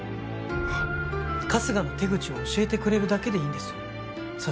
はっ春日の手口を教えてくれるだけでいいんですそ